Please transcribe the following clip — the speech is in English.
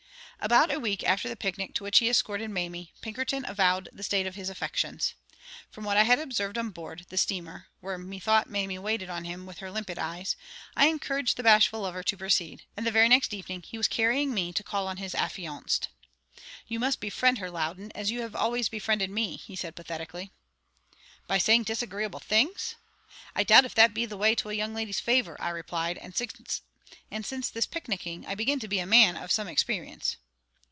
About a week after the picnic to which he escorted Mamie, Pinkerton avowed the state of his affections. From what I had observed on board the steamer, where methought Mamie waited on him with her limpid eyes, I encouraged the bashful lover to proceed; and the very next evening he was carrying me to call on his affianced. "You must befriend her, Loudon, as you have always befriended me," he said, pathetically. "By saying disagreeable things? I doubt if that be the way to a young lady's favour," I replied; "and since this picnicking I begin to be a man of some experience."